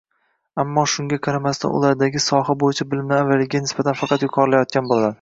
Ammo shunga qaramasdan, ulardagi soha bo’yicha bilimlari avvalgiga nisbatan faqat yuqorilayotgan bo’ladi